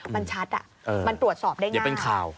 มันตรวจสอบได้ง่ายยังเป็นข่าว